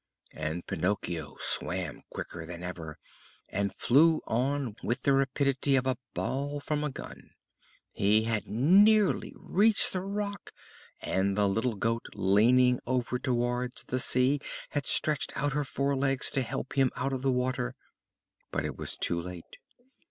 And Pinocchio swam quicker than ever, and flew on with the rapidity of a ball from a gun. He had nearly reached the rock, and the little goat, leaning over towards the sea, had stretched out her fore legs to help him out of the water! But it was too late!